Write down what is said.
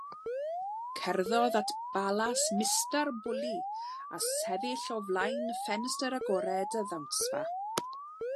Cerddodd at balas Mistar Bully, a sefyll o flaen ffenestr agored y ddawnsfa.